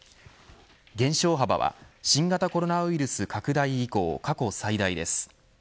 減少幅は新型コロナウイルス拡大以降過去最大です。